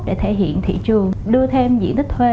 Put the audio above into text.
để thể hiện thị trường đưa thêm diện tích thuê